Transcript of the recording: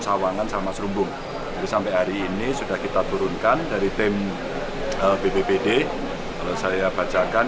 sawangan sama serumbung jadi sampai hari ini sudah kita turunkan dari tim bppd kalau saya bacakan